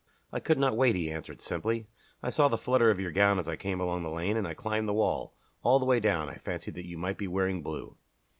"I could not wait," he answered simply. "I saw the flutter of your gown as I came along the lane, and I climbed the wall. All the way down I fancied that you might be wearing blue."